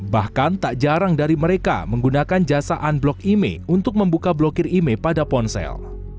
bahkan tak jarang dari mereka menggunakan jasa unblock email untuk membuka blokir email pada ponsel